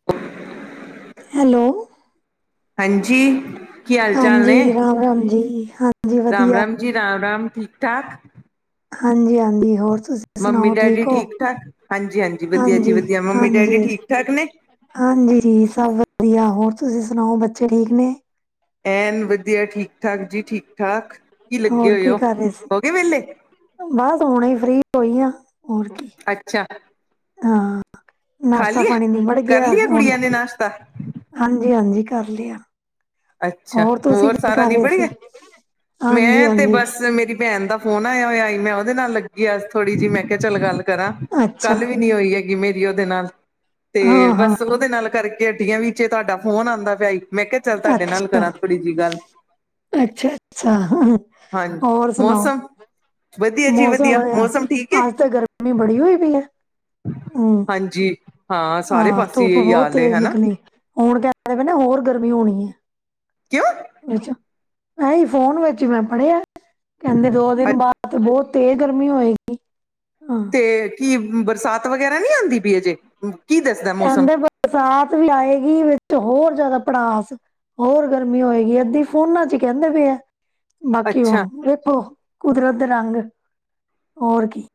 [unintelligible] Hello ਹਾਂਜੀ ਕੀ ਹਾਲ ਚਾਲ ਨੇ ਹਾਂਜੀ ਰਾਮ ਰਾਮ ਜੀ ਹਾਂ ਰਾਮ ਰਾਮ ਜੀ ਰਾਮ ਰਾਮ ਠੀਕ ਠਾਕ ਹਾਂਜੀ ਹਾਂਜੀ ਹੋਰ ਤੁਸੀਂ ਮੰਮੀ ਸੁਣਾਓ ਡੈਡੀ ਠੀਕ ਹੋ ਠਾਕ ਹਾਂਜੀ ਵਧੀਆ ਜੀ ਹਾਂਜੀ ਵਧੀਆ ਮੰਮੀ ਡੈਡੀ ਹਾਂਜੀ ਠੀਕ ਠਾਕ ਨੇ ਹਾਂਜੀ ਜੀ ਜੀ ਸਭ ਵਧੀਆ ਹੋਰ ਤੁਸੀਂ ਸੁਣਾਓ ਬੱਚੇ ਠੀਕ ਨੇ ਐਨ ਵਧੀਆ ਠੀਕ ਠਾਕ ਜੀ ਠੀਕ ਠਾਕ ਕੀ ਲੱਗੇ ਹੋਰ ਹੋਏ ਕੀ ਹੋ, ਕਰ ਰਹੇ ਸੀ ਹੋ ਗਏ ਵਿਹਲੇ ਬਸ ਹੁਣੇ ਈ ਫ੍ਰੀ ਹੋਈ ਆ ਹੋਰ ਕੀ ਅੱਛਾ। ਹਾਂ, ਖਾ ਨਾਸ਼ਤਾ ਲਿਆ ਪਾਣੀ ਨੀਬੜ ਕਰ ਗਿਆ, ਲਿਆ ਹੁਣ ਗੁੜੀਆਂ ਨੇ ਨਾਸ਼ਤਾ ਹਾਂਜੀ- ਹਾਂਜੀ ਕਰ ਲਿਆ ਅੱਛਾ, ਤੁਸੀਂ ਹੋਰ ਕੀ ਸਾਰਾ ਕਰ ਰਹੇ ਨਿਬੜ ਗਿਆ? ਸੀ ਹਾਂਜੀ ਮੈਂ, ਤੇ ਹਾਂਜੀ ਬਸ ਮੇਰੀ ਭੈਣ ਦਾ ਫੋਨ ਆਇਆ ਹੋਇਆ ਈ, ਮੈਂ ਉਹਦੇ ਨਾਲ ਲੱਗੀ ਆ ਥੋੜੀ ਜਿਹੀ ਮੈਂ ਕਿਹਾ ਚੱਲ ਗੱਲ ਕਰਾਂ, ਅੱਛਾ ਕੱਲ ਵੀ ਨੀ ਹੋਈ ਹੈਗੀ, ਮੇਰੀ ਉਹਦੇ ਨਾਲ ਹਾਂ ਤੇ ਹਾਂ ਬਸ ਉਹਦੇ ਨਾਲ, ਕਰਕੇ ਹਟੀ ਆਂ, ਵਿੱਚ ਤੁਹਾਡਾ ਫੋਨ, ਆਉਂਦਾ ਪਿਆਾਈ ਮੈਂ ਕਿਹਾ ਚੱਲ ਤੁਹਾਡੇ ਨਾਲ, ਅੱਛਾ ਕਰਾਂ ਥੋੜੀ ਜਹੀ ਗੱਲ ਅੱਛਾ- ਅੱਛਾ ਹਾਂਜੀ ਹੋਰ ਸੁਣਾਓ? ਮੌਸਮ ਵਧੀਆ ਜੀ ਮੌਸਮ, ਵਧੀਆ ਮੌਸਮ ਠੀਕ ਹੈ ਅੱਜ ਤਾਂ ਗਰਮੀ ਬੜੀ ਹੋਈ ਪਈ ਆ ਹਾਂਜੀ। ਸਾਰੇ ਹਾਂ, ਪਾਸੇ ਧੁੱਪ ਇਹੀ ਬਹੁਤ ਹਾਲ ਏ ਤੇਜ਼ ਹਨਾ ਨਿਕਲੀ ਹੁਣ ਕ ਅਜੇ ਪਤਾ ਹੋਰ ਗਰਮੀ ਹੋਣੀ ਏ ਕਿਉਂ ਵਿ ਚ ਤਾਹੀ ਫੋਨ ਵਿੱਚ ਮੈਂ ਪੜ੍ਹਿਆ ਕਹਿੰਦੇ, ਦੋ ਦਿਨ ਅੱ- ਬਾਅਦ ਬਹੁਤ ਤੇਜ਼ ਗਰਮੀ ਹੋਏਗੀ ਹਾਂ, ਤੇ ਕੀ, ਬਰਸਾਤ ਵਗੈਰਾ ਨਹੀਂੀ ਆਉਂਦੀ ਪਈ ਅਜੇ, ਕੀ ਦੱਸਦਾ ਮੌਸਮ? ਕਹਿੰਦੇ ਬਰਸਾਤ ਵੀ ਆਏਗੀ, ਵਿੱਚ ਹੋਰ ਜ਼ਿਆਦਾ ਪੜਾਸ ਹੋਰ ਗਰਮੀ ਹੋਏਗੀ, ਅੱਧੀ ਫੋਨਾਂ ਚ ਕਹਿੰਦੇ ਪਏ ਆ ਬਾਕੀ ਅੱਛਾ ਹੁਣ ਵੇਖੋ, ਕੁਦਰਤ ਰੰਗ ਹੋਰ ਕੀ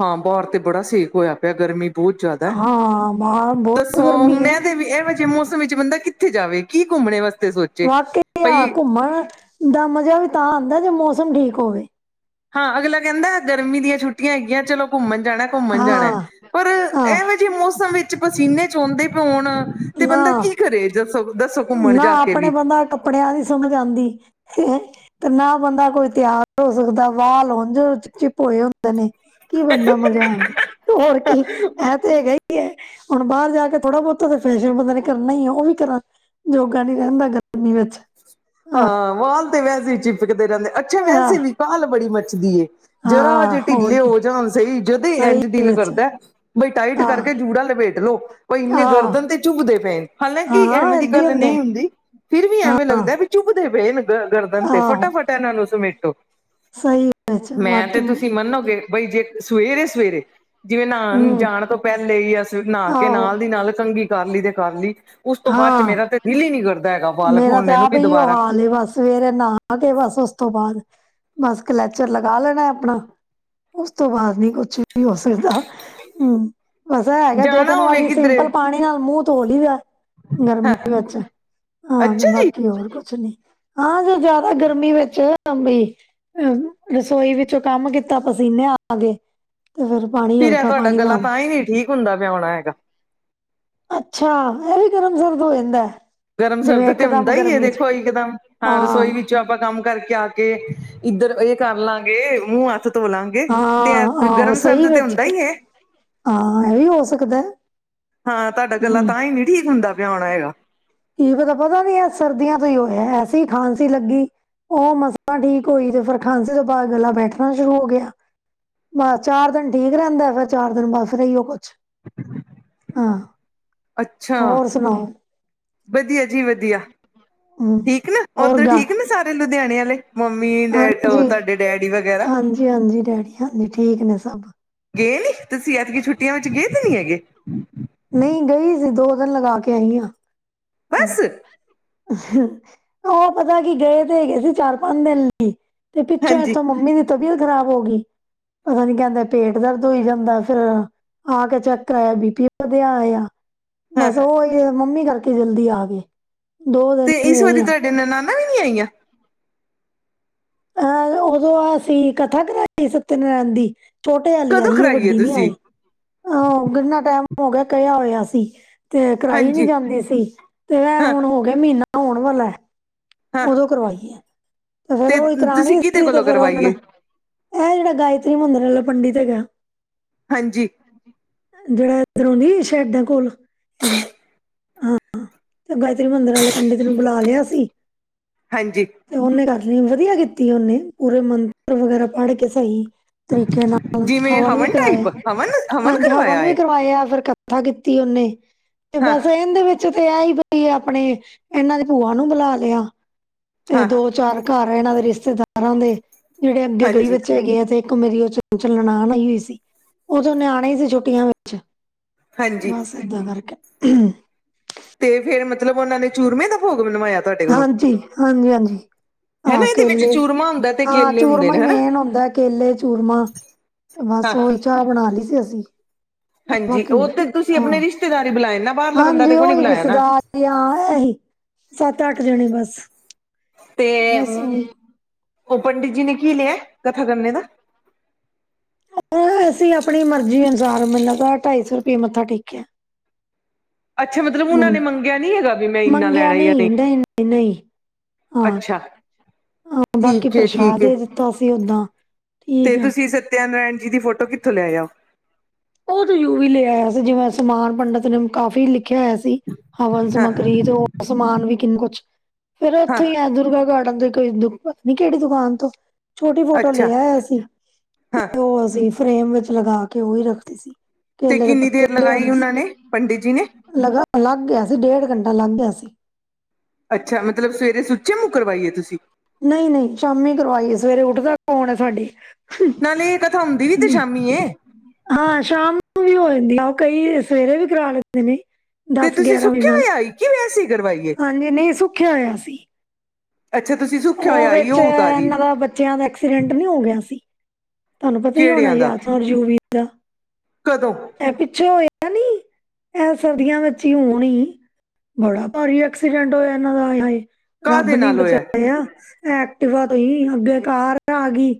ਹਾਂ, ਬੁਹਰ ਤੇ ਬੜਾ ਸੇਕ ਹੋਇਆ ਪਿਆ ਗਰਮੀ ਬਹੁਤ ਜ਼ਿਆਦਾ, ਹਾਂ ਬਾਹਰ ਦੱਸੋ ਬਹੁਤ ਗਰਮੀ ਹੁਣ ਹੈ ਇਹ ਹੋ ਵੀ, ਇਹੋ ਜਿਹੇ ਮੌਸਮ ਵਿੱਚ ਬੰਦਾ ਕਿੱਥੇ ਜਾਵੇ, ਕੀ ਘੁੰਮਣੇ ਵਾਸਤੇ ਸੋਚ ਵਾ ਕਿਥੇ ਆ, ਘੁੰਮਣ ਦਾ ਮਜਾ ਵੀ ਤਾਂ, ਆਉਂਦਾ ਜੇ ਮੌਸਮ ਠੀਕ ਹੋਵੇ ਹਾਂ ਅਗਲਾ ਕਹਿੰਦਾ, ਗਰਮੀ ਦੀਆਂ ਛੁੱਟੀਆਂ ਹੈਗੀਆਂ, ਚਲੋ ਘੁੰਮਣ ਜਾਣਾ -ਘੁੰਮਣ ਜਾਣਾ ਹਾਂ ਪਰ ਆਹ, ਇਹੋ ਜਿਹੇ ਮੌਸਮ ਵਿੱਚ, ਪਸੀਨੇ ਚੋਂਦੇ ਪਏ ਉਣ ਤੇ ਬੰਦਾ ਨਾ ਕੀ ਕਰੇ ਦੱਸੋ -ਦੱਸੋ ਘੁੰਮਣ ਜਾ ਕੇ ਵੀ ਕਪੜਿਆਂ, ਦੀ ਸਮਝ ਆਦੀ ਤੇ ਨਾ ਬੰਦਾ ਕੋਈ ਤਿਆਰ ਹੋ, ਸਕਦਾ ਵਾਲ ਉਝ ਚਿਪ -ਚਿਪ ਹੋਏ ਹੁ ਕਹਿਦੇ ਨੇ ਕੀ ਕਰਨਾ ਮਜ਼ਾ, ਹੋਰ ਕੀ ਐਂ ਤੇ ਹੈਗਾ ਈ ਹੁਣ ਬਾਹਰ ਜਾ ਕੇ ਥੋੜ੍ਹਾ- ਬਹੁਤਾ ਤਾਂ ਫੈਸ਼ਨ ਬੰਦੇ ਨੇ, ਕਰਨਾ ਹੀ ਹੈ ਉਹ ਵੀ ਕਰਾਂ ਯੋਗਾ ਨਈ, ਰਹਿੰਦਾ ਗਰਮੀ ਵਿੱਚ ਆਹ, ਹਾਂ, ਵਾਲ ਤੇ ਵੈਸੇ ਚਿਪਕਦੇ ਰਹਿੰਦੇ, ਅੱਛਾ ਆਹ, ਵੈਸੇ ਵੀ, ਕਾਲ ਬੜੀ ਮੱਚਦੀ ਜਰਾ ਹਾਂ ਅਜੇ, ਹੋਰ ਢਿੱਲੇ ਕੀ ਹੋ ਜਾਣ ਸਹੀ, ਜਦੇ ਸਹੀ ਇੰਝ ਦਿਲ ਵਿੱਚ ਕਰਦਾ ਬਈ ਟਾਈਟ ਆ ਕਰਕੇ, ਜੂੜਾ ਲਪੇਟ ਲਓ, ਬਈ ਇੰਨੇ ਆ ਗਰਦਨ ਤੇ ਝੁਬਦੇ ਪਏ ਹਾਲਾਂ ਕਿ, ਹਾਂ ਐਵੇਂ ਦੀ ਏਦਾਂ ਹੀ ਗੱਲ ਹੁੰਦਾ ਹੈ। ਨਹੀਂ ਹੁੰਦੀ, ਫਿਰ ਵੀ ਐਵੇਂ ਹਾਂ ਲੱਗਦਾ ਵੀ ਵੇਲ ਗਰਦਨ ਤੇ, ਆਹੋ ਫਟਾਫਟਾ ਨਾਨੂੰ ਉਸ ਸੁਮੇਟੋ ਸਹੀ ਵਿੱਚ ਮੈਂ ਤੇ ਵਾਕਿਮ ਤੁਸੀਂ, ਮੰਨੋਗੇ ਬਈ, ਜਿਹੜੀ ਰਸੋਈ ਐ ਸਵੇਰੇ ਜਿਵੇਂ ਨਹਾਉਣ ਹੂੰ ਜਾਣ ਤੋਂ ਪਹਿਲੇ, ਹੀ ਅਸੀ ਨਹਾ ਕੇ ਆਹੋ ਨਾਲ ਦੀ ਨਾਲ, ਕੰਘੀ, ਕਰ ਲਈ ਤੇ ਕਰ ਲਈ ਉਸ ਤੋਂ ਬਾਅਦ ਚ, ਹਾਂ ਮੇਰਾ ਤੇ ਦਿਲ ਹੀ ਨੀ ਕਰਦਾ ਹੈਗਾ, ਵਾਲ ਖੋਲਣੇ ਨੂੰ ਬ ਵੀ ਦੁਬਾਰਾ ਉਹਹ ਚ ਬਸ ਸਵੇਰੇ ਨਾ ਤੇ, ਬਸ ਉਸ ਤੋਂ ਬਾਅਦ ਬਸ ਕਲੱਚਰ, ਲਗਾ ਲੈਣਾ ਆਪਣਾ ਉਸ ਤੋਂ ਬਾਅਦ, ਨਈ ਕੁਛ ਵੀ ਹੋ ਸਕਦਾ ਬਸ ਐ ਹੈਗਾ, ਦੋ- ਜਾਣਾ ਤਿੰਨ ਹੋਵੇ ਵਾਰੀ ਕਿੱਧਰੇ ਸਿੰਪਲ ਪਾਣੀ, ਨਾਲ ਮੂੰਹ ਤੋਲ ਹੀ ਦਾ ਗਰਮੀ ਹਾਂ ਵਿੱਚ, ਹਾਂ ਤੇ ਅੱਛਾ ਜੀ ਬਾਕੀ ਹੋਰ ਕੁਛ ਨਈ ਹਾਂ, ਜੇ ਜ਼ਿਆਦਾ ਗਰਮੀ ਵਿੱਚ [unintelligible] ਬਈ ਅ ਰਸੋਈ ਵਿੱਚੋਂ ਕੰਮ ਕੀਤਾ, ਪਸੀਨੇ ਆ ਗਏ ਤੇ ਫੇਰ। ਫਿਰ ਐ ਤੁਹਾਡਾ ਗਲਾ ਤਾਂ ਹੀ ਨਹੀਂ ਠੀਕ ਹੁੰਦਾ ਪਿਆ ਹੋਣਾ ਹੈਗਾ। ਅੱਛਾ, ਇਹ ਵੀ ਗਰਮ ਸਰਦ ਹੋ ਜਾਂਦੈ। ਗਰਮ ਸਰਦ ਤੇ ਹੁੰਦਾ ਹੀ ਹੈ ਦੇਖੋ ਇਕਦਮ, ਹਾਂ ਰਸੋਈ ਵਿੱਚੋਂ। ਆਪਾਂ ਕੰਮ ਕਰਕੇ ਆ ਕੇ ਇੱਧਰ ਇਹ ਕਰ ਲਾਂਗੇ, ਮੂੰਹ ਹੱਥ। ਧੋ ਲਾਂਗੇ ਤੇ ਹਾਂ, ਏਹ ਆਹੋ ਗਰਮ ਸਹੀ ਸਰਦ ਤੇ ਵਿੱਚ ਹੁੰਦਾ ਹੀ ਹੈ। ਹਾਂ, ਇਹ ਵੀ ਹੋ ਸਕਦੈ। ਹਾਂ, ਤੁਹਾਡਾ ਗਲਾ ਤਾਂ ਹੀ ਨੀ ਠੀਕ ਹੁੰਦਾ ਪਿਆ ਹੋਣਾ ਹੈਗਾ। [unintelligible] ਤਾਂ ਪਤਾ ਵੀ ਹੈ ਸਰਦੀਆਂ ਤੋਂ ਹੀ ਹੋਇਆ, ਐਸੀ ਖਾਂਸੀ ਲੱਗੀ ਉਹ ਮਸਾਂ ਠੀਕ ਹੋਈ ਤੇ ਫਿਰ ਖਾਂਸੀ ਤੋਂ ਬਾਅਦ ਗੱਲਾਂ ਬੈਠਣਾ ਸ਼ੁਰੂ ਹੋ ਗਿਆ। ਬਸ ਚਾਰ ਦਿਨ ਠੀਕ ਰਹਿੰਦਾ ਹੈਗਾ, ਚਾਰ ਦਿਨ ਬਸ ਏਹੀਓ ਕੁਛ। [inaudible] ਹਾਂ, ਅੱਛਾ ਹੋਰ ਸੁਣਾਓ। ਵਧੀਆ ਜੀ, ਵਧੀਆ, ਹੂੰ ਠੀਕ ਨੇ ਹੋਰ ਗ ਓਧਰ ਠੀਕ ਨੇ, ਸਾਰੇ ਲੁਧਿਆਣੇ ਵਾਲੇ ਮੰਮੀ ਡੈ ਉਹ ਹਾਂਜੀ, ਤੁਹਾਡੇ ਡੈਡੀ ਵਗੈਰਾ। ਹਾਂਜੀ, ਹਾਂਜੀ, ਡੈਡੀ ਹਾਂਜੀ, ਠੀਕ ਨੇ ਸਭ ਗਏ ਨੀ, ਤੁਸੀਂ ਐਤਕੀ ਛੁੱਟੀਆਂ ਵਿੱਚ ਗਏ ਤੇ ਨਹੀਂ ਹੈਗੇ। ਨਹੀਂ ਗਈ ਸੀ, ਦੋ ਦਿਨ ਲਗਾ ਕੇ ਆਈ ਹਾਂ। ਬਸ। ਉਹ ਪਤਾ ਕੀ, ਗਏ ਤੇ ਹੈਗੇ ਸੀ ਚਾਰ ਪੰਜ ਦਿਨ। ਤੇ ਪਿੱਛੋਂ ਹਾਂਜੀ ਇਥੋਂ ਮੰਮੀ ਦੀ ਤਬੀਅਤ ਖਰਾਬ ਹੋ ਗਈ। ਪਤਾ ਨੀ ਕਹਿੰਦੇ ਪੇਟ ਦਰਦ ਹੋਈ ਜਾਂਦਾ ਫੇਰ। ਆ ਕੇ ਚੈੱਕ ਕਰਇਆ, ਬੀ ਪੀ ਵਧਿਆ ਆਇਆ। ਹਾਂ ਬਸ ਉਹ ਹੀ ਮੰਮੀ ਕਰਕੇ ਜਲਦੀ ਆ ਗਏ ਦੋ ਦਿਨ ਨਹੀ ਰਹੇ ਹੈਗੇ। [unintelligible] ਨੀਂ ਆਈਆਂ। ਅਹ, ਉਦੋਂ ਅਸੀਂ ਕਥਾ ਕਰਾਈ ਸਤਯੇ ਨਰੈਣ ਦੀ। ਛੋਟੇ ਵਾਲੀ ਕਦੋਂ ਆਈ, ਕਰਾਈਏ ਵੱਡੀ ਨੀ ਆਈ, ਤੁਸੀਂ ਅਹ ਕਿੰਨਾ ਟੈਮ ਹੋ ਗਿਆ, ਕਿਹਾ ਹੋਇਆ ਸੀ। ਤੇ ਕਰਾਈ ਨੀ ਹਾਂਜੀ ਜਾਂਦੀ ਸੀ, ਤੇ ਹਾਂ ਹੁਣ ਹੋ ਗਿਆ, ਮਹੀਨਾ ਹੋਣ ਵਾਲੈ। ਹਾਂ ਉਦੋਂ ਕਰਵਾਈ ਐ, ਤੇ ਫੇਰ ਉਹੀ ਕਰਾਉਣੀ ਤੁਸੀਂ ਕਿਹਦੇ ਹੁੰਦੀ ਤੇ ਕੋਲੋਂ ਫੇਰ ਕਰਵਾਈਏ ਉਹਨਾਂ। ਇਹ ਜਿਹੜਾ ਗਾਇਤਰੀ ਮੰਦਰ ਵਾਲਾ ਪੰਡਿਤ ਹੈਗੈ। ਹਾਂਜੀ। ਜਿਹੜਾ ਇਧਰੋਂ ਦੀ ਸ਼ੈਡਾਂ ਕੋਲ, ਹੈਗਾ। ਹਾਂ ਤੇ ਗਾਇਤਰੀ ਮੰਦਰ ਵਾਲੇ ਪੰਡਿਤ ਨੂੰ ਬੁਲਾ ਲਿਆ ਸੀ। ਹਾਂਜੀ। ਤੇ ਉਹਨੇ ਕਰ ਲਈ, ਵਧੀਆ ਕੀਤੀ ਉਹਨੇ, ਪੂਰੇ ਮੰਤਰ ਵਗੈਰਾ ਪੜ ਕੇ ਸਹੀ। ਤਰੀਕੇ ਨਾਲ ਜਿਵੇਂ ਹਵਨ ਵੀ ਕਰਾਇਆ। ਟਾਈਪ ਹਵਨ ਹਾਂਜੀ ਹਵਨ ਕਰਵਾਇਆ ਵੀ ਹੈ ਕਰਵਾਇਆ ਫਿਰ ਕੱਥਾ ਕੀਤੀ ਉਹਨੇ ਤੇ ਹਾਂ ਬਸ ਇਹਦੇ ਵਿੱਚ। ਤੇ ਇਹ ਹੀ ਬਈ ਆਪਣੇ, ਇਹਨਾਂ ਦੇ ਭੂਆ ਨੂੰ ਬੁਲਾ ਲਿਆ। ਤੇ ਹਾਂ ਦੋ ਚਾਰ ਘਰ ਇਹਨਾਂ ਦੇ ਰਿਸ਼ਤੇਦਾਰਾਂ ਦੇ, ਜਿਹੜੇ ਅੱਗੇ ਗਈ [unintelligible] ਹਾਂਜੀ ਵੱਛੇ ਹੈਗੇ ਆ ਤੇ ਮੇਰੀ ਉਹ ਚ [unintelligible] ਨਨਾਣ ਆਈ ਹੋਈ ਸੀ, ਉਦੋਂ ਓਣੇ ਆਉਣਾ ਹੀ ਸੀ ਛੁਟੀਆਂ। ਅੱਛਾ, ਹਾਂਜੀ ਬਸ ਏਦਾਂ ਕਰਕੇ, ਹੁ ਹ ਤੇ ਫੇਰ ਮਤਲਬ, ਉਹਨਾ ਨੇ ਚੂਰਮੇ ਦਾ ਭੋਗ ਬਣਵਾਇਆ ਤੁਹਾਡੇ ਕੋਲੋਂ ਹਾਂਜੀ, ਹਾਂਜੀ-ਹਾਂਜੀ। ਆ ਹਨਾ ਇਹਦੇ ਵਿੱਚ ਕੇਲੇ, ਚੂਰਮਾ ਹੁੰਦਾ ਤੇ ਆ ਕੇਲੇ ਹੁੰਦੇ ਚੂੂਰਮਾ ਨੇ ਹੀ ਹਨਾ ਮੇਨ ਹੁੰਦਾ ਕੇਲੇ ਚੂਰਮਾ। ਤੇ ਬਸ ਹਾਂ ਉਹੀ ਚਾਹ ਬਣਾ ਲਈ ਸੀ ਅਸੀਂ ਹਾਂਜੀ ਬਾਕੀ ਉਹ ਤੇ ਤੁਸੀਂ ਹਾਂ ਆਪਣੇ ਰਿਸ਼ਤੇਦਾਰੀ ਬੁਲਾਏ ਨਾ ਬਾਹਰਲਾ ਬੰਦਾ ਤੇ ਹਾਂਜੀ ਕੋਈ ਨੀ ਉਹੀ ਬੁਲਾਇਆ ਨਾ ਰਿਸ਼ਤੇਦਾਰ ਹ ਐ ਹੀ ਸੱਤ ਅੱਠ ਜਣੇ ਬਸ ਤੇ ਬਸ ਉਹੀ ਉਹ ਪੰਡਿਤ ਜੀ ਨੇ ਕੀ ਲਿਆ ਕਥਾ ਕਰਨੇ ਦਾ ਅਸੀਂ ਆਪਣੀ ਮਰਜ਼ੀ ਅਨੁਸਾਰ ਮੈਨੂੰ ਤਾਂ ਢਾਈ ਸੌ ਰੁਪਏ ਮੱਥਾ ਟੇਕਿਆ ਅੱਛਾ ਮਤਲਬ ਉਹਨਾਂ ਨੇ ਮੰਗਿਆ ਨਹੀਂੀ ਹੈਗਾ ਵੀ ਮੈਂ ਇਨਾ ਲੈਣਾ ਜਾਂ ਨਹੀਂ ਅੱਛਾ ਹਾਂ ਬਾਕੀ ਠੀਕ ਏ ਪ੍ਰਸ਼ਾਦ ਠੀਕ ਏ ਦੇ ਦਿੱਤਾ ਸੀ ਓਦਾਂ ਠੀਕ ਆ ਸਤਿਆਨਾਰਇਣ ਜੀ ਦੀ ਫੋਟੋ ਕਿੱਥੋਂ ਲੈ ਆ ਉਹ ਯੂ ਵੀ ਲਿਆ ਆਇਆ ਸੀ ਜਿਵੇਂ ਸਮਾਨ ਪੰਡਿਤ ਨੇ ਕਾਫ਼ੀ ਲਿਖਿਆ ਹੋਇਆ ਸੀ ਹਵਨ ਹਾਂ ਸਮੱਗਰੀ ਤੇ ਸਮਾਨ ਵੀ ਕਿੰਨ ਕੁਛ ਫੇਿਰ ਹਾਂ ਇੱਥੋਂ ਹੀ ਆ ਦੁਰਗਾ ਗਾਰਡਨ ਤੇ ਕੋਈੁਤਾ ਨ ਕਿਹੜੀ ਦੁਕਾਨ ਤੋਂ ਛੋਟੀ ਫੋਟੋ ਅੱਛਾ ਲਿਆਇਆ ਅ ਸੀ ਹਾਂ ਤੇ ਉਹ ਅਸੀਂ ਫਰੇਮ ਵਿੱਚ ਲਗਾ ਕੇ ਉਹੀ ਰੱਖ ਸੀ ਤੇ ਕੇਲੇ ਦੇ ਕਿੰਨੀ ਦੇਰ ਪਤੇ ਆਦੇ ਲਗਾਈ ਉਹਨਾਂ ਸੀ ਨੇ ਪੰਡਿਤ ਜੀ ਨੇ ਲ ਲੱਗ ਗਿਆ ਸੀ ਡੇਢ ਘੰਟਾ ਲੱਗ ਗਿਆ ਸੀ ਅੱਛਾ ਮਤਲਬ ਸਵੇਰੇ ਸੁੱਚੇ ਨੂੰ ਕਰਵਾਈਏ ਤੁਸੀਂ ਨਹੀਂ ਨਹੀਂ ਸ਼ਾਮੀ ਕਰਵਾਈਏ ਸਵੇਰੇ ਉੱਠਦਾ ਕਣ ਤੁਡੇ ਨਾਲੇ ਇਹ ਕਥਾ ਹੁੰਦੀ ਵੀ ਤੇ ਸ਼ਾਮੀ ਹਾਂ ਸ਼ਾਮ ਨੂੰ ਵੀ ਹੋ ਜਾਂਦੀ ਆ ਉਹ ਕਈ ਸਵੇਰੇ ਵੀ ਕਰਾ ਲੈਂਦੇ ਨੇ ਤੇ ਦਸ ਤੁਸੀਂ ਗਿਆਰਾਂ ਵਜੇ ਸੁੱਖਿਆ ਨਾਲ ਹੋਇਆ ਆਈ ਕਿ ਵੈਸੇ ਹੀ ਕਰਵਾਈਏ ਹਾਂਜੀ ਨਹੀਂ ਸੁੱਖਿਆ ਹੋਇਆ ਸੀ ਅੱਛਾ ਤੁਸੀਂ ਸੁੱਖਿਆ ਉ ਹੋਇਆ ਆਈ ਵਿਚ ਉਹ ਉਤਾਰੀ ਇਹਨਾਂ ਦਾ ਬੱਚਿਆਂ ਦਾ ਐਕਸੀਡੈਂਟ ਨੀ ਹੋ ਗਿਆ ਸੀ ਤੁਹਾਨੂੰ ਪਤਾ ਹੀ ਹੋਣਾ ਕਿਹੜਿਆਂ ਦਾ ਯਾਦ ਸਜੂਵੀ ਦਾ ਕਦੋਂ? ਅਹੇ ਪਿੱਛੋਂ ਹੋਇਆ ਨੀ ਏਹ ਸਰਦੀਆਂ ਵਿੱਚ ਹੀ ਹੋਣ ਹੀ। ਬੜਾ ਭਾਰੀ ਐਕਸੀਡੈਂਟ ਹੋਇਆ ਇਹਨਾਂ ਦਾ ਆਯੇ ਹਏ। ਰੱਬ ਕਾਹਦੇ ਨੀ ਨਾਲ ਹੋਇਆ ਬਚਾਇਆ ਐਕਟਿਵਾ ਦਾ ਹੀ ਅੱਗੇ ਕਾਰ ਆ ਗਈ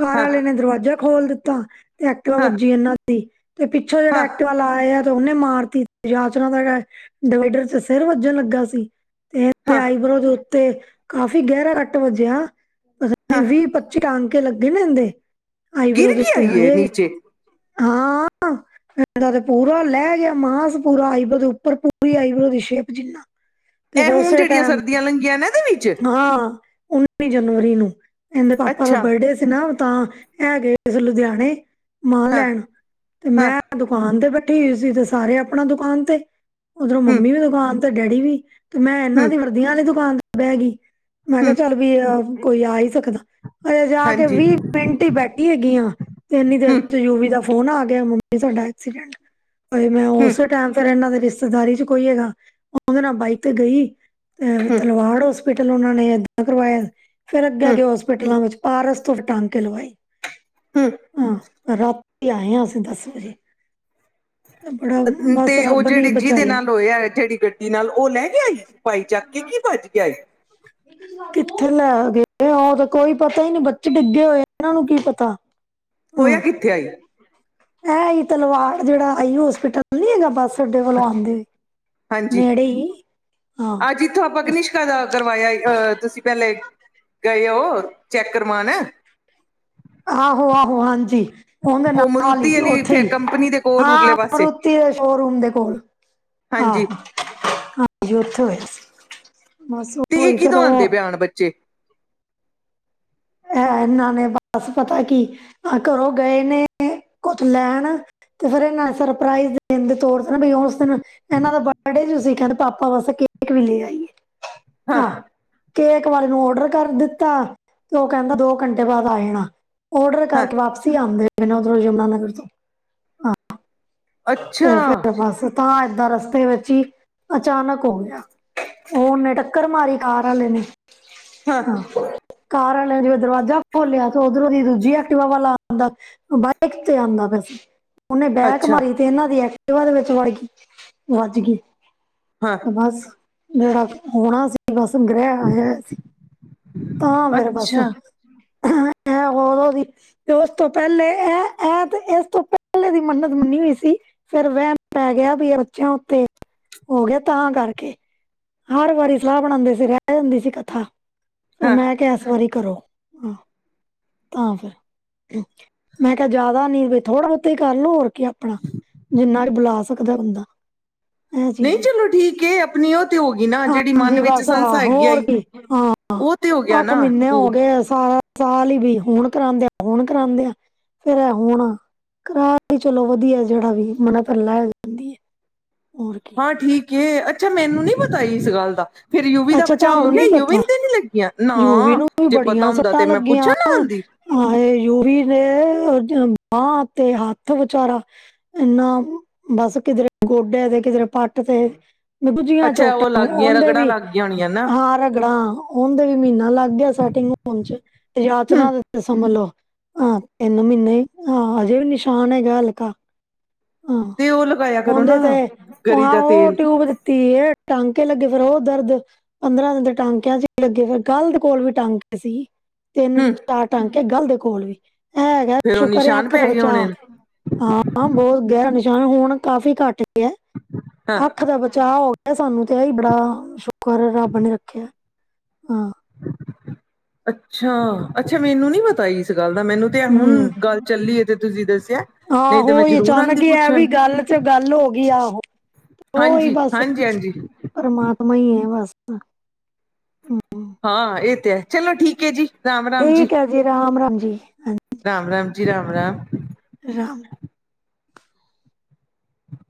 ਘ ਹਾਂ ਵਾਲੇ ਨੇ ਦਰਵਾਜ਼ਾ ਖੋਲ ਦਿੱਤਾ ਤੇ ਐਕਟੀਵਾ ਹਾਂ ਵੱਜੀ ਇਹਨਾਂ ਦੀ ਤੇ ਪਿੱਛੋਂ ਜਿਹੜਾ ਹਾਂ ਐਕਟਿਵਾ ਲਾ ਆਇਆ ਤੇ ਉਹਨੇ ਮਾਰਤੀ ਤੇ ਯਾਚਨਾ ਦਾ ਡਿਵਾਈਡਰ ਚ ਸਿਰ ਵੱਜਣ ਲੱਗਾ ਸੀ ਤੇ ਤੇ ਹਾਂ ਆਈਬ੍ਰੋ ਦੇ ਉੱਤੇ ਕਾਫ਼ੀ ਗਹਿਰਾ ਕੱਟ ਵੱਜਿਆ ਪਤਾ ਨ ਨਹੀਂ ਹਾਂ ਵੀਹ-ਪਾਚੀ ਚ ਟਾਂਕੇ ਲੱਗੇ ਨੇ ਇਨਦੇ ਆਈਬਰੋ ਗਿਰ ਦੇ ਗਿਆ ਉੱਤੇ ਈ ਏ ਹਜੇ ਨੀਚੇ ਹਾਂ ਹਾ ਹਾਂ। ਤੇ ਪੂਰਾ ਲੈ ਗਿਆ ਮਾਸ ਪੂਰਾ ਆਈਬਰੋ ਦੇ ਉੱਪਰ ਪੂਰੀ ਆਈਬਰੋ ਦੀ ਸ਼ੇਪ ਜਿੰਨਾ। [inaudible] ਇਹ ਹੁਣ ਜਿਹੜੀਆਂ ਟਾਈਮ ਸਰਦੀਆਂ ਲੰਗੀਆਂ ਇਹਨਾਂ ਦੇ ਵਿੱਚ? ਹਾਂ ਉੱਨੀ ਜਨਵਰੀ ਨੂੰ ਇਹਦੇ ਪਾਪਾ ਦਾ ਅੱਛਾ ਬਰਡੇ ਸੀ ਤੇ ਨਾ ਤਾਂ ਐ ਗਏ ਸੀ ਲੁਧਿਆਣੇ ਮਾਲ ਹਾਂ ਲੈਣ ਤੇ ਹਾਂ ਮੈਂ ਦੁਕਾਨ ਤੇ ਬੈਠੀ ਹੋਈ ਸੀ ਤੇ ਸਾਰੇ ਆਪਣਾ ਦੁਕਾਨ ਤੇ ਉੱਧਰੋਂ ਹੂੰ ਮੰਮੀ ਵੀ ਦੁਕਾਨ ਤੇ ਡੈਡੀ ਵੀ ਤੇ ਮੈਂ ਇਹਨਾਂ ਹੂੰ ਦੀ ਵਰਦੀਆਂ ਵਾਲੀ ਦੁਕਾਨ ਤੇ ਬੈਹ ਗਈ ਮੈਂ ਹੂੰ ਕਿਹਾ ਚੱਲ ਵੀ ਕੋਈ ਆ ਹੀ ਸਕਦਾ। ਅਜੇ ਜਾ ਕੇ ਹਾਂਜੀ ਵੀਹ ਹੂੰ ਮਿੰਟ ਹੀ ਬੈਠੀ ਹੈਗੀ ਆ ਤੇ ਇੰਨੀ ਦੇਰ ਯੂਵੀ ਦਾ ਫੋਨ ਫੋਨ ਆ ਗਿਆ ਮੰਮੀ ਤੁਹਾਡਾ ਐਕਸੀਡੈਂਟ ਹਾਏ ਮੈਂ ਹੂੰ ਉਸੇ ਟਾਈਮ ਫੇਰ ਇਹਨਾਂ ਦੇ ਰਿਤੇ ਦਾਰੀ ਚ ਕੋਈ ਹੈਗਾ ਉਹਦੇ ਨਾਲ ਬਾਈਕ ਤੇ ਗਈ ਤੇ ਹੂੰ ਤਲਵਾੜ ਹੌਸਪੀਟਲ ਉਹਨਾਂ ਨੇ ਏਦਾਂ ਕਰਵਾਇਆ ਫਿਰ ਹੂੰ ਅੱਗੇ ਹੋਸਪ ਪਿਟਲਾਂ ਵਿੱਚ ਪਾਰਸ ਤੋਂ ਫੇਰ ਟਾਂਕੇ ਲਵਾਏ। ਹਾਂ ਰਾਤੀ ਆਏ ਹਾਂ ਅਸੀਂ ਦਾਸ ਵਜੇ। ਬੜਾ ਤੇ ਬਸ ਉਹ ਰੱਬ ਨੇ ਹੀ ਜਿਹੜੇ ਜਿਹਦੇ ਬਚਾਇਆ ਨਾਲ ਹੋਏਆ ਜਿਹੜੀ ਗੱਡੀ ਨਾਲ ਉਹ ਲੈ ਗਿਆ? ਭਾਈ ਚੱਕ ਕੇ, ਕੀ ਭੱਜ ਗਿਆ ਏ ਇਜ ਨੌਟ ਕਿੱਥੇ ਲੈ ਗਏ, ਉਹ ਤੇ ਕੋਈ ਪਤਾ ਹੀ ਨਹੀਂ, ਬੱਚੇ ਡਿੱਗੇ ਹੋਏ ਇਹਨਾਂ, ਨੂੰ ਕੀ ਪਤਾ ਹੋਇਆ ਕਿੱਥੇ, ਆਈ ਐ ਹੀ ਤਲਵਾੜ, ਜਿਹੜਾ ਆਈ ਹੋਸਪਿਟਲ ਨੀ ਹੈਗਾ, ਬੱਸ ਅੱਡੇ ਵਲੋਂ ਆਉਂਦੇ ਹਾਂਜੀ, ਨੇੜੇ ਹੀ ਹਾਂ ਆ ਜਿਥੋਂ ਆਪਾ ਗਨਿਸ਼ਕਾ ਦਾ ਕਰਵਾਇਆ ਅਹ, ਤੁਸੀਂ ਪਹਿਲੇ ਗਏ, ਹੋ ਚੈੱਕ ਕਰਵਾਣ ਆਹੋ -ਆਹੋ ਹਾਂਜੀ। ਉਹਦੇ ਉਹ ਨਾਲ ਮਰੂਤੀ ਈ, ਵਾਲੀ ਉੱਥੇ ਫੇ ਹੀ ਕੰਪਨੀ ਦੇ ਕੋਲ ਹਾਂ ਉਰਲੇ ਪਾਸੇ ਓਥੇ ਸ਼ੋਅਰੂਮ ਦੇ ਕੋਲ ਹਾ, ਹਾਂਜੀ ਹਾਂਜੀ ਉਥੇ ਹੋਇਆ ਸੀ। ਬਸ ਤੇ ਇਹ ਉਹੀ ਕੀ, ਫਿਰ ਦਵਾਨ ਉਹ ਦੇ ਬਿਆਨ ਬੱਚੇ ਐ ਇਹਨਾਂ ਨੇ ਬਸ ਪਤਾ, ਕੀ ਆ ਘਰੋਂ ਗਏ ਨੇ, ਕੁੱਛ ਲੈਣ ਤੇ ਫਿਰ ਇਹਨਾਂ, ਸਰਪ੍ਰਾਈਜ਼ ਦੇਣ ਦੇ ਤੌਰ ਤੇ ਨਾ, ਬ ਉਸ ਦਿਨ ਇਹਨਾਂ ਦਾ ਬਰਡੇ ਜੂ ਸੀ ਕੱਲ ਪਾਪਾ ਵਾਸਤੇ ਗਿਫਟ ਲੈ ਆਈ ਹਾਂ, ਕੇਕ ਵਾਲੇ ਨੂੰ ਔਡਰ ਕਰ ਦਿੱਤਾ। ਉਹ ਕਹਿੰਦਾ, ਦੋ ਘੰਟੇ ਬਾਅਦ ਆ ਜਾਣਾ, ਔਡਰ ਹਾਂ ਕਰਕੇ ਵਾਪਸੀ ਆਦੇ ਪਹਿਲਾਂ, ਓਧਰੋਂ ਯਮੁਨਾ ਨਗਰ ਤੋਂ, ਹ ਅੱਛਾ ਤੇ ਫੇਰ ਗਏ ਫਸ ਤਾਂ ਏਦਾਂ, ਰਸਤੇ ਵਿੱਚ ਈ ਅਚਾਨਕ ਹੋ ਗਿਆ ਉਹਨੇ, ਟੱਕਰ ਮਾਰੀ ਕਾਰ ਆਲੇ ਨੇ, ਹਾਂ ਕਾਰ ਆਲੇ ਨੇ ਜਿਵੇਂ ਦਰਵਾਜ਼ਾ ਖੋਲਿਆ, ਤੇ ਉਧਰੋਂ ਦੀ ਦੂਜੀ ਐਕਟਵਾ ਵਾਲਾ ਆਦਾ ਔ ਬਦ ਕਿਥੇ ਆਂਦਾ ਪਿਆ ਸੀ। ਉਹਨੇ ਬੈਕ ਅੱਛਾ ਮਾਰੀ, ਤੇ ਇਹਨਾਂ ਦੀ ਐਕਟਿਵਾ ਦੇ ਵਿੱਚ, ਵੜ ਗਈ ਵੱਜ ਗਈ ਹਾਂ ਤੇ ਬਸ ਜਿਹੜਾ ਹੋਣਾ ਸੀ, ਬਸ ਗ੍ਰਹਿ ਆਇਆ ਸੀ। ਤਾਂ ਫਿਰ ਬਸ, ਅੱਛਾ ਮੈਂ ਹੋਰ ਵੀ ਤੇ ਉਸ ਤੋਂ ਪਹਿਲੇ ਇਹ-ਇਹ ਤੇ, ਇਸ ਤੋਂ ਪਹਿਲੇ ਦੀ ਮੰਨਤ ਮੰਨੀ ਹੋਈ ਸੀ। ਫੇਿਰ ਵੈਮ ਪੈ ਗਿਆ, ਵੀ ਬੱਚਿਆਂ ਉੱਤੇ ਹੋ ਗਿਆ ਤਾਂ ਕਰਕੇ ਹਰ ਵਾਰੀ ਸਲਾਹ ਬਣਾਦੀ ਸੀ, ਰਹਿ ਜਾਂਦੀ ਸੀ ਕਥਾ ਹਾਂ ਮੈਂ ਕਿਹਾ, ਇਸ ਵਾਰੀ ਕਰੋ ਤਾਂ ਫਿਰ ਮੈਂ ਕਿਹਾ ਜਿਆਦਾ ਨਈ, ਥੋੜਾ ਕੀ ਕਰਲੋ ਹੋਰ ਕੀ ਆਪਣਾ ਜਿੰਨਾ ਰਾ ਬਲਾ ਸਕਦਾ ਬੰਦਾ ਇਹ ਚੀਜ਼ ਨਹੀਂ ਹੈ ਚਲੋ ਠੀਕ ਏ, ਆਪਣੀ ਉਹ ਤੇ ਹੋ ਗਈ ਨਾ ਜਿਹੜੀ, ਹਾਂਜੀ ਮਨ ਵਿੱਚ ਬਸ ਆ ਸੰਸਾ ਹੈਗੀ ਆਈ ਉਹ, ਤੇ ਹੋ ਗਿਆ ਔ ਨਾ ਮਹੀਨੇਂ ਹੋ ਉਹ ਗਏ, ਸ ਸਾਲ ਹੀ ਬੀਤ ਹੁਣ ਕਰਾਦੇ ਆ ਹੁਣ ਕਰਾਦੇ ਆ ਫੇਰ ਇਹ ਹੁਣ, ਕਿਰਾਆ ਵੀ ਚਲੋਂ ਵਧੀਆ ਜਿਹੜਾ ਵੀ ਮਨਾ ਫਿਰ ਲੈ ਜਾਂਦੀ ਅ ਹੋਰ ਹਾਂ ਠੀਕ ਐ, ਅੱਛਾ ਮੈਨੂੰ ਨੀ ਪਤਾ, ਇਸ ਗੱਲ ਦਾ ਫੇਰ ਯੂਵੀ ਦਾ ਅੱਛਾ ਬਚਾ ਹੋ ਤੁਹਾਨੂੰ ਗਿਆ, ਨੀ ਯੂਵੀ ਪਤਾ ਤੇ ਨੀ ਲੱਗੀਆਂ, ਯੂਵੀ ਨਾ ਨੂੰ ਜੇ ਪਤਾ ਹੁੰਦਾ ਤੇ, ਮੈਂ ਪੁੱਛਣ ਨਾ ਆਦੀ ਹਾਂਏ ਯੂਵੀ ਵੇ, ਆਹ ਤੇ ਹੱਥ ਵਿਚਾਰਾ ਇਨਾ ਬਸ, ਕਿਧਰੇ ਗੋਡੇ ਤੇ, ਕਿਧਰੇ ਪੱਟ ਤੇ ਮ ਗੂਜੀਆਂ ਚੋਟਾਂ ਆਉਂਦੇ ਵੀ ਲਾਉਣੀਆਂ ਨਾ ਆ ਰਗੜਾ, ਉਹ ਦੇ ਵੀ ਮਹੀਨਾ ਲੱਗ ਗਿਆ, ਸੈ ਟਿੰਗ ਹੋਣ ਤੇ ਹੂੰ ਯਾਤਰਾ ਦੇ ਸਮਜ ਨਾ ਆਹ, ਤਿੰਨ ਮਹੀਨੇ ਆ ਅਜੇ ਨਿਸ਼ਾਨ ਹੈਗਾ ਹਲਕਾ ਆਹ, ਤੇ ਉਹ ਲਗਾਇਆ ਕਰੋ ਉਹਦੇ ਨਾ ਤੇ ਗਰੀ ਆ ਦਾ ਉਹ ਤੇਲ ਟਿਊਬ ਤੇ ਟਾਕੇ ਲੱਗੇ ਫੇਰ ਉਹ ਦਰਦ ਪੰਦਰਾਂ ਦਿਨ ਦੇ ਟਾਂਕਿਆਂ ਚ ਲੱਗੇ ਫਰ ਗੱਲ ਦੇ ਕੋਲ ਵੀ ਟਾਂਕੇ ਸੀ। ਤਿੰਨ ਹੂੰ ਚਾਰ ਟਾਂਕੇ ਗਲ ਦੇ ਕੋਲ ਵੀ। ਇਹ ਹੈਗੈ ਫਿਰ ਉਹ ਸ਼ੁਕਰ ਐ ਨਿਸ਼ਾਨ ਅੱਖ ਦਾ ਪੈ ਗਏ ਬਚਾਅ, ਹੋਣੇ ਨੇ ਹਾਂ। ਹਾਂ, ਬਹੁਤ ਗਹਿਰਾ ਨਿਸ਼ਾਨ ਹੁਣ ਕਾਫ਼ੀ ਘੱਟ ਗਿਆ ਹਾਂ ਅੱਖ ਦਾ ਬਚਾਅ ਹੋ ਸਾਨੂੰ ਤੇ ਇਹ ਹੀ ਬੜਾ ਸ਼ੁਕਰ ਰੱਬ ਨੇ ਰੱਖਿਆ ਹਾਂ। ਅੱਛਾ-ਅੱਛਾ, ਮੈਨੂੰ ਨੀ ਪਤਾ ਹੀ ਇਸ ਗੱਲ ਦਾ ਮੈਨੂੰ ਤੇ ਹੂੰ ਹੁਣ ਗੱਲ ਚੱਲੀ ਐ ਤੇ ਤੁਸੀਂ ਦੱਸਿਆਂ ਨਹੀਂ ਤੇ ਮੈਂ ਆਹੋ ਹੀ ਜ਼ਰੂਰ ਆਉਂਦੀ ਅਚਾਨਕ ਹੀ ਇਹ ਪੁੱਛਣ। ਵੀ ਗੱਲ ਚ ਗੱਲ ਹੋ ਗਈ ਆਹੋ ਉਹੀ ਹਾਂਜੀ ਬਸ। ਹਾਂਜੀ ਹਾਂਜੀ ਪਰਮਾਤਮਾ ਹੀ ਐ ਬਸ। ਹਾਂ ਇਹ ਤੇ ਐ ਚਲੋਂ ਠੀਕ ਹੈ ਜੀ। ਰਾਮ ਠੀਕ ਐ ਜੀ ਰਾਮ-ਰਾਮ ਜੀ ਹਾਂ। ਰਾਮ-ਰਾਮ ਜੀ, ਰਾਮ-ਰਾਮ। ਰਾਮ